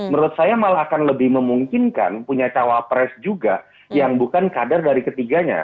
menurut saya malah akan lebih memungkinkan punya cawapres juga yang bukan kader dari ketiganya